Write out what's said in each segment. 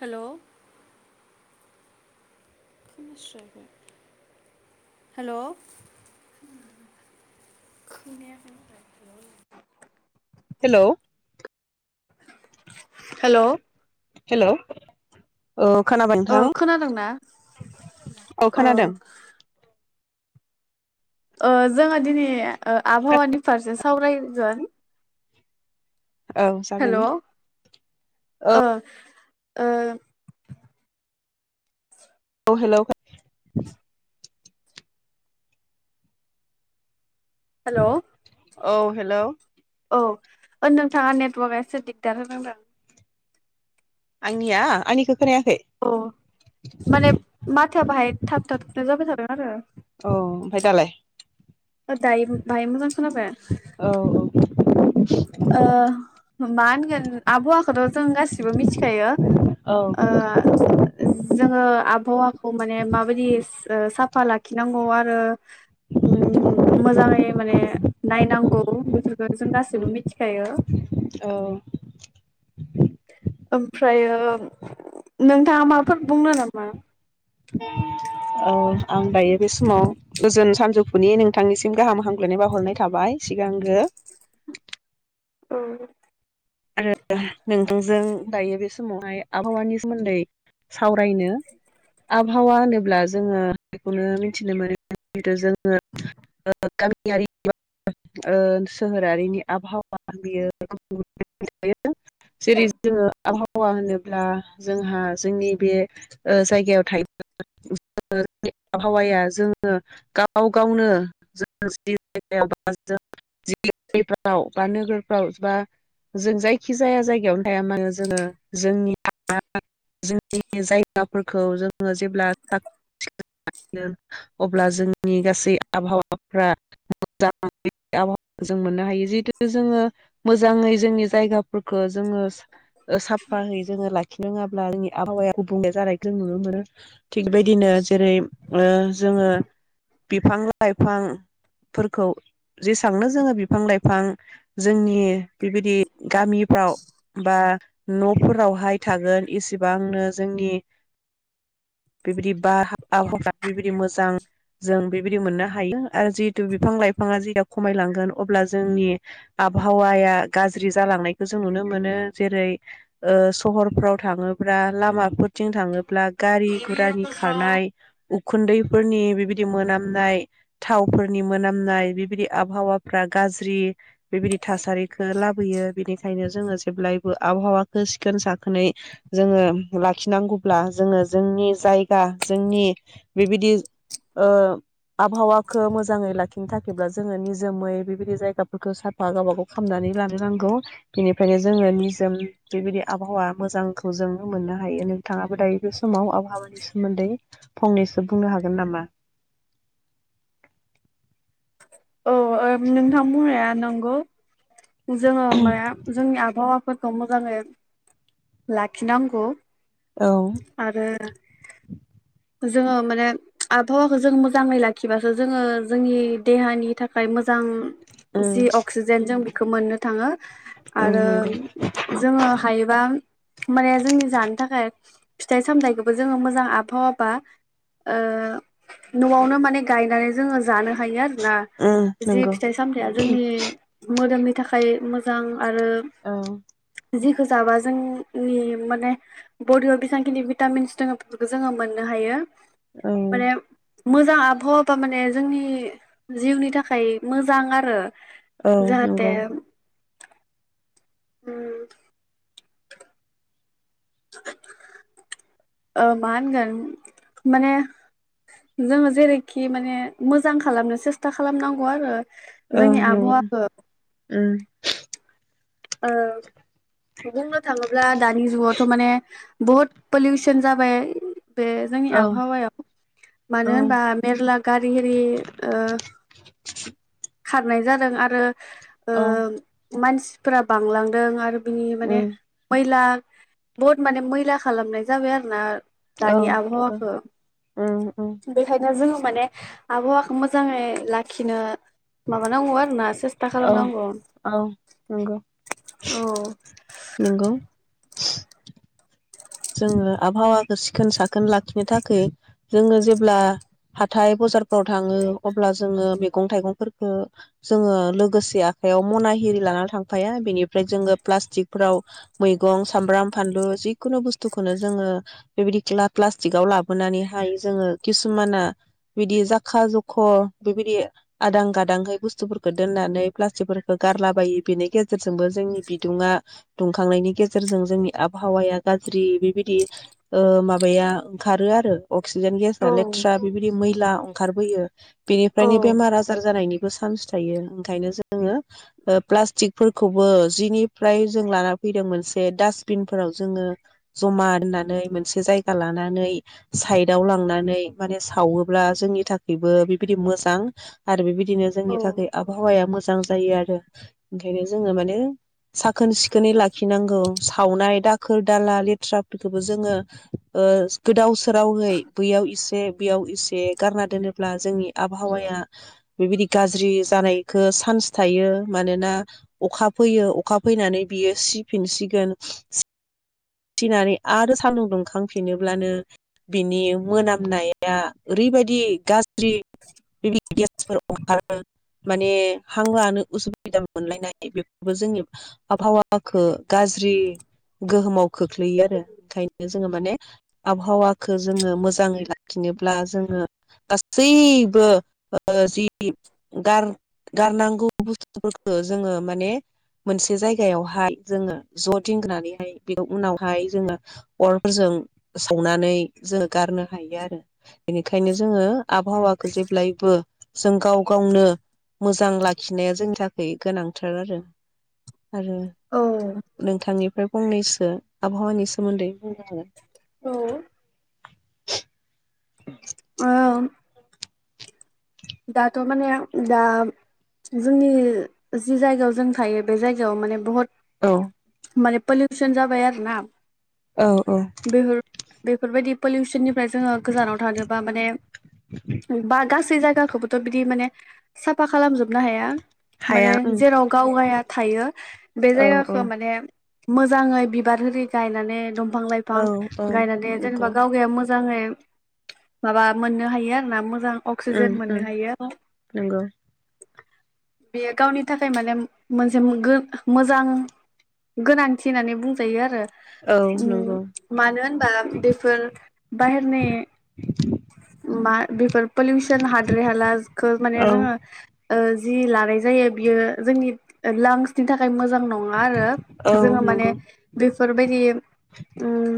हेल' hello hello hello hello औ खोनादोंना औ अ खोनादों ओ जोङो दिनै आबहावानि फारसे सावरायगोन। औ हेल' जागोन ओ औ। ओ औ हेल'। हेल' औ हेल' औ नोंथाङा नेटर्वकआ एसे दिगदार होदों आंनिया आंनिखो अ माने मा था बाहाय थाबथा थुथा जाबाय थादो आरो औ ओमफ्राय दालाय दायो बाहाय मोजां खोनाबाय औ ओ मा होनगोन आबहावाखौथ' जों गासिबो मिथिखायो औ ओ जोङो आबहावाखौ माने माबायदि ओ साफा लाखिनांगौ आरो मोजाङै माने नायनांगौ बे जों। जेबो मिथिखायो औ ओमफ्रायो नोंथाङा माफोर बुंनो नामा? औ आं दायो बे समाव गोजोन सानजौफुनि नोंथांनिसिम गाहाम हामग्लायनाय बावाहरनाय थाबाय सिगांग्रो। औ आरो नोंथांजों दायो बे समावहाय आबहावानि सोमोन्दै सावरायनो आबहावा होनोब्ला जोङो बेखौनो मिथिनो मोनो जि जोङो गामियारि सोहोरारिनि आबहावा बेयो [inaudible] जरै जोङो आबहावा होनोब्ला जोंहा जोंनि बे जायगायाव थायो आबहावाया जोङो गाव गावनो जो जायगायाव बेफ्राव [unintelligible] बा नोगोरफ्राव बा जों जायखि जाया जायगायावनो थाया मानो जोङो जोंनि जोंनि जायगाफोरखौ जोङो जेब्ला साख अब्ला जोंनि गासै आबहावाफ्रा मोजाङो आबहावाखौ जों मोननो हायो जितु जोङो मोजाङै जोंनि जायगाफोरखौ जोङो। साफायै जोङो लाखिनो रो ङाब्ला जोंनि आबहावाया गुफुं [unintelligible] जानायखौ जों नुनो मोनो थिगबायदिनो जेरै जोङो बिफां लाइफांफोरखौ जेसेबांनो जोङो बिफां लाइफां जोंनि बेबायदि गामिफ्राव बा नफोरावहाय थागोन इसेबांनो जोंनि बेबायदि बा आबहावा बेबायदि मोजां जों बेबायदि मोननो हायो आरो जिहेतु बिफां लाइफाङा जेब्ला खमायलांगोन अब्ला जोंनि आबहावाया गाज्रि जालांनायखौ जों नुनो मोनो ओ जेरै सहरफ्राव थाङोब्ला लामाफोर थिं थाङोब्ला गारि घुरानि खारनाय उखुन्दैफोरनि बिबायदि मोनामनाय थावफोरनि मोनामनाय बिबायदि आबहावाफ्रा गाज्रि बेबायदि थासारि लाबो बेनिखायनो जोङो जेब्लायबो आबहावाखौ सिखोन साखोनै जोङो लाखिनांगौब्ला जोङो जोंनि जायगा जोंनि बेबायदि ओ आबहावाखौ मोजाङै लाखिनो थाखायब्ला जोङो निजोमै बेबायदि जायगाफोरखौ साफा गावबा गाव खालामामनानै लानो नांगौ बेनिफ्रायायनो जोङो निजोम बेबायदि आबहावा मोजांखौ जों मोननो हायो नोंथाङाबो दायो बे समाव आबहावानि सोमोन्दै फंनैसो बुंनो हागोन नामा? औ ओम नोंथां बुंनाया नंगौ। जोङो माया जोंनि आबहावा फोरखौ मोजाङै लाखिनांगौ। औ आरो जोङो माने आबहावाखौ जों मोजाङै लाखिबासो जोङो जोंनि देहानि थाखाय मोजां ओं जि अक्सिजेनजों बि खौ मोननो थाङो आरो नंगौ जोङो हायोबा माने जोंनि जानो थाखाय फिथाइ सामथाइखौबो जोङो मोजां आबहावाबा ओ नआवनो माने गायनानै जोङो जानो हायो आरो ना ओम जि नंगौ फिथाइ सामथायाइया जोंनि मोदोमनि थाखाय मोजां। आरो औ जिखौ जाबा जोंनि माने बडियाव बेसेबांखिनि भिटामिन्स दङ बेफोरखौ जोङो मोननो हायो। औ माने मोजां आबहावाबा माने जोंनि जिउनि थाखाय मोजां आरो औ जाहाथे नंगौ उ ओ मा होनगोन माने जोङो जेरैखि माने मोजां खालामनो सेस्था खालामनांगौ आरो जोंनि आबहावखौ उ ओ बुंनो थाङोब्ला दानि जुगावथ' माने बहुद पलिउसन जाबाय बे जोंनि औ आबहावायाव औ मानो होनबा मेरला गारि होररि ओ खारनाय जादों आरो ओ औ मानसिफोरा बांलांदों आरो बिनि माने उम मैला बहुद माने मैला खालामनाय जाबाय आरो ना औ दानि नंगौ आबहावाखौ औ बेखायनो जों माने आबहावाखौ मोजाङै लाखिनो माबा नांगौ आरो ना सेस्था औ खालामनांगौ औ नंगौ औ नंगौ जोङो आबहावाखौ सिखोन साखोन लाखिनो थाखाय जोङो जेब्ला हाथाय बाजारफ्राव थाङो अब्ला जोङो मैगं थाइगंफोरखौ जोङो लोगोसे आखाइयाव मना हि लानानै थांफाया बेनिफ्राय जोङो प्लास्टिकफोराव मैगं सामब्राम फानलु जिखुनु बुस्थु बुस्थुखौनो जोङो बेबायदि प्लास्टिकआव लाबोनानैहाय जोङो किसुमाना बिदि जाखा जख' बेबायदि आदां गादांहै बुस्थुफोरखौ दोननानै प्लास्टिकफोरखौ गारलाबायो बेनि गेजेरजोंबो जोंनि बिदुङा दुंखांनायनि गेजेरजों जोंनि आबहावाया गा स्रि बेबायदि ओ माबाया ओंखारो आरो अक्सिजेन गेस लेथ्रा बिबायदि मैला ओंखारबोयो औ बेनिफ्रायनो बेमार आजार जानायनि चान्स थायो ओंखायनो जोङो प्लास्टिकफोरखौबो जिनिफ्राय जों लाना फैदों मोनसे डास्टबिनफोराव जोङो जमा होननानै मोनसे जायगा लानानै साइदाव लांनानै माने सावोब्ला जोंनि थाखायबो बेबायदि मोजां आरो बेबायदि दिनो औ जोंनि थाखाय आबहावाया मो मोजां जायो आरो ओंखायनो जोङो माने साखोन सिखोनै लाखिनांगौ सावनाय दाखोर दाला लेथ्राफोरखौबो जोङो ओ गोदाव सोरावहै बैयाव एसे बैयाव एसे गारना दोनोब्ला जोंनि आबहावाया बेबायदि गाज्रि जानायखो चान्स थायो मानोना अखा फैयो अखा फैनानै बियो सिफिनसिगोन फिनानै आरो सान्दुं दुंखांफिनोब्लानो बिनि मोनामनाया ओरैबायदि गाज्रि बे गेसफोर खारो माने हांलानो उसुबिदा मोनलायनाय बेफोरबो जोंनि आबहावाखौ गाज्रि गोहोमाव खोख्लैयो आरो ओंखायनो जोङो माने आबहावाखौ जोङो मोजाङै लाखिनोब्ला जोङो गासैबो ओ जि गार गारनांगौ बुस्थुफोरखौ जोङो माने मोनसे जायगायावहाय जोङो ज' दिंग्रानैहाय उनावहाय जोङो अरफोरजों सावनानै जों गारनो हायो आरो बेनिखायनो जोङो आबहावाखौ जेब्लायबो जों गाव गावनो मोजां लाखिनाया जोंनि थाखाय गोनांथार आरो आरो औ नोंथांनिफ्राय फंनैस सो आबहावानि सोमोन्दै बुंनो हागोन [inaudible] ओं दाथ' माने दा जोंनि जि जायगायाव जों थायो बे जायगायाव माने बहुत औ माने पल्युसन जाबारोना औ औ बेफोरबायदि पलिउसननिफ्राय जोङो गोजानाव थानोबा माने बा गासै जाय गाखौबोथ' बिदि माने साफा खालामजोबनो हाया माने हाया औ जेराव गावगाया थायो बे औ जायगाखौ माने मोजाङै बिबार होरि गायनानै दुम फां औ लाइफां औ गायनानै नंगौ जेनबा गावगाया मोजां जाङै माबा मोननो हायो आरोना मो जां अक्सिजेन उम मोन उम नंगौ [unintelligible] बेयो गावनि थाखाय माने मोनसे गो मोजां गोनांथि होननानै बुंजायो आरो औ उम नंगौ मानो होनबा बेफोर बाहेरनि मा बिफोर पलिउसनहा द्रै हालाजखो माने औ जोङो ओ जि लानाय जायो बियो जोंनि लांसनि थाखाय मोजां जां नङा आरो औ जोङो माने नंगौ बेफोरबायदि उम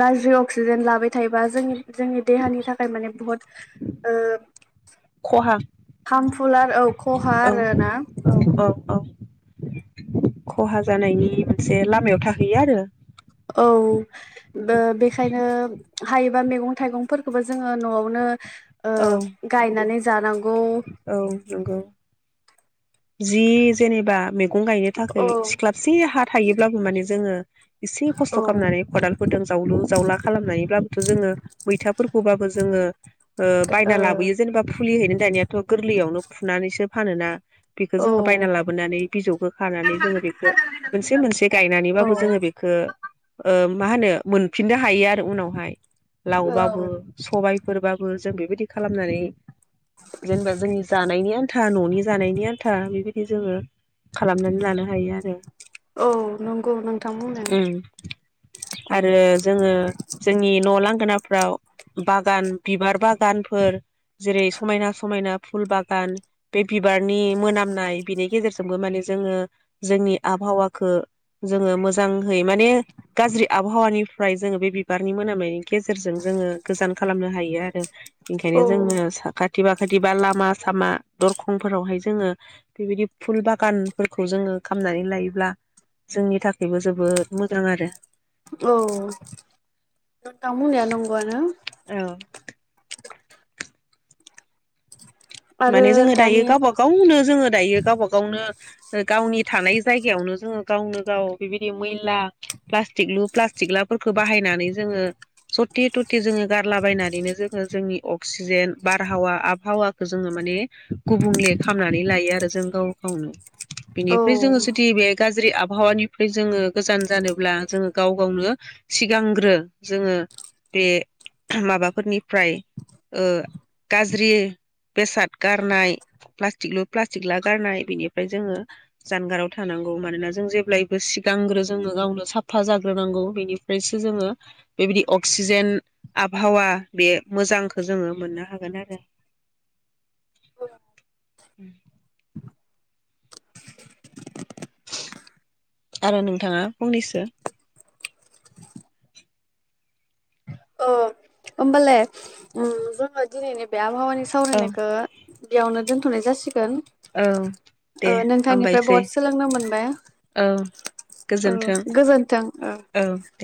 गाज्रि अक्सिजेन लाबाय थायोबा जोंनि जोंनि देहानि थाखाय माने बुहुत ओ खहा हामफुलार औ खहा औ आरोना औ खहा जानायनि मोनसे लामायाव थाहैयो आरो औ बो बेखायनो हायोबा मैगं थाइगंफोरखौबो जोङो न'आवनो ओ औ गायनानै जानां औ नंगौ जि जेनेबा मैगं गायनो औ थाखाय सिख्लाबसे हा थायोब्लाबो माने जोङो एसे खस्थ' औ खालामनानै खदालफोरजों जावलु जावला खालामनानैब्लाबोथ' जोङो मैथाफोरखौबाबो जोङो ओ बायना लाबोयो जेनेबा फुलि हैनो दानिया थ' गोरलैयावनो फुनानैसो फानोना बेखो ओ जोङो बायना औ लाबोनानै बिजौखौ खानानै जोङो बेखौ मोनसे मोनसे औ गायनानैबाबो जोङो बेखौ ओ मा होनो मोनफिननो हायो आरो उनावहाय औ लावबाबो सबाइ फोरबाबो जों बेबायदि खालामनानै जेनेबा जोंनि जानायनि आन्था न'नि जानायनि आन्था बेबायदि जोङो खालामना औ नंगौ नोंथां बुंनाया आरो जोङो जोंनि न' लांगोनाफ्राव बागान बिबार बागानफोर जेरै समायना स समायना फुल बागान बे बिबारनि मोनामनाय बेनि गेजेरजोंबो माने जोङो जोंनि आबहावाखौ जोङो मोजांहै माने गाज्रि आबहावानिफ्राय जोङो बे बिबारनि मोनामनायनि गेजेरजों जोङो गोजान खालामनो हायो आरो। औ ओंखायनो जोंनो साखाथि बा फायदिबा लामा सामा दरखंफोरावहाय जोङो बेबायदि फुल बागानफोरखौ जोङो खामनानै लायोब्ला जोंनि थाखायबो जोबोद मोजां आरो। औ दाव मुलिया नंगौआनो। औ आरो माने जोङो दायो दानिया गाबा गावनो जोङो दायो गाबा गावनो ओ गावनि थानाय जायगायावनो जोङो गावनो गाव बेबायदि मैला प्लास्टिक लु प्लास्टिक लाफोरखौ बाहायनानै जोङो जथे थथे जोङो गारलाबायायनानैनो जोङो जोंनि अक्सिजेन बारहावा आबहावा जोङो माने गुबुंले खालामामनानै लायो आरो जों गाव गावनो। औ बेनिफ्राय जोङो जुदि बे गाज्रि आब आबहावानिफ्राय जोङो गोजान जानोब्ला जोङो गाव गावनो सिगांग्रो जोङो बे माबाफोरनिफ्राय ओ गाज्रि बेसाद गारनाय प्लास्टिकलु प्लास्टिक ला गारनाय बेनिफ्राय जोङो जानगाराव थानांगौ मानोना जों जेब्लायबो सिगांग्रो जोङो गावनो साफा जाग्रोनांगौ बेनिफ्रायसो जोङो बेबायदि अक्सिजेन आबहावा बे मोजांखौ जोङो मोननो हागोन आरो। उम आरो नोंथाङा फंनैसो औ होमबालाय उम जोङो दिनैनि बे आव आबहावानि औ सावरायनायखौ बेयावनो दोनथ'नाय जासिगोन। औ दे गोन ओ नोंथांनिफ्राय हामबायसै बहत सोलोंनो मोनबाय औ गोजोन्थों गोजोन्थों। औ दे।